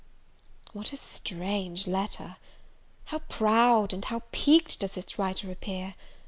What a strange letter! how proud and how piqued does its writer appear!